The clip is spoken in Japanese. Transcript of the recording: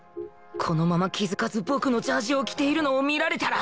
このまま気づかず僕のジャージを着ているのを見られたら